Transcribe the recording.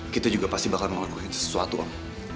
kita juga pasti bakal melakukan sesuatu om